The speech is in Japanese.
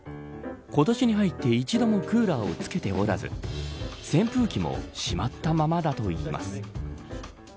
今年に入って一度もクーラーをつけておらず扇風機もしまったままだといいます。